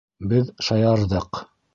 Беҙ шаярҙыҡ!